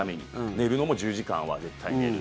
寝るのも１０時間は絶対寝る。